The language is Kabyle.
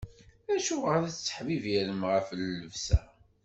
Acuɣer i tettḥebbiṛem ɣef llebsa?